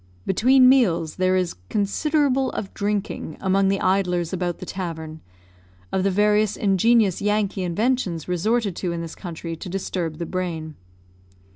Between meals there is "considerable of drinking," among the idlers about the tavern, of the various ingenious Yankee inventions resorted to in this country to disturb the brain.